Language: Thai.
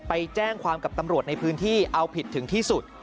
ไปแจ้งความกับตำรวจในพื้นที่เอาผิดถึงที่สุด